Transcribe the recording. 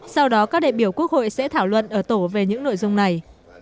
sau đó các đại biểu quốc hội sẽ thảo luận ở tổ về những nội dung này